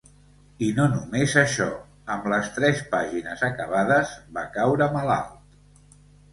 I no només això, amb les tres pàgines acabades, va caure malalt.